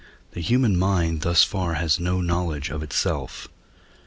the human mind thus far has no knowledge of itself.